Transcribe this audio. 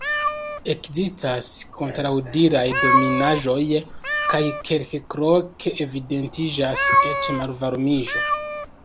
Ekzistas kontraŭdiraj donitaĵoj, kaj kelkloke evidentiĝas eĉ malvarmiĝo.